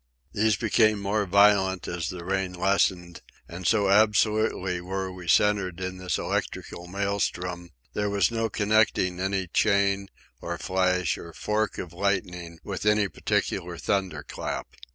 These became more violent as the rain lessened, and, so absolutely were we centred in this electrical maelstrom, there was no connecting any chain or flash or fork of lightning with any particular thunder clap.